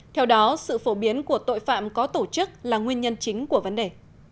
theo đó sự phổ biến của tội phạm có tổ chức là nguyên nhân chính của vấn đề